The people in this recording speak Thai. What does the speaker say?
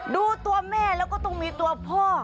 ดูตัวแม่แล้วก็ต้องมีตัวพ่อ